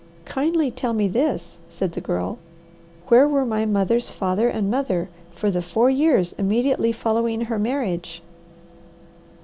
"Kindly tell me this," said the Girl. "Where were my mother's father and mother for the four years immediately following her marriage?"